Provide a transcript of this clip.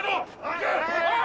行け！